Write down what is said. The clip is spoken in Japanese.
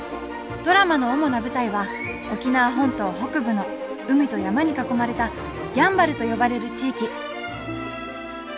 ドラマの主な舞台は沖縄本島北部の海と山に囲まれた「やんばる」と呼ばれる地域。